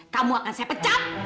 kamu akan saya pecah